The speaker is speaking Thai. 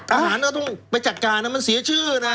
อาหารเราต้องไปจัดการนะมันเสียชื่อนะ